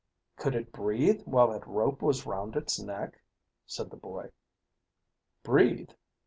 "Could it breathe while that rope was round its neck?" said the boy. "Breathe?